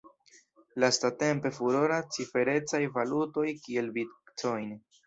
Lastatempe furoras ciferecaj valutoj kiel Bitcoin.